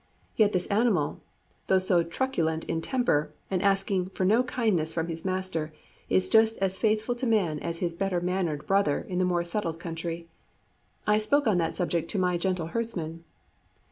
Yet this animal, though so truculent in temper, and asking for no kindness from his master, is just as faithful to man as his better mannered brother in the more settled country. I spoke on that subject to my gentle herdsman.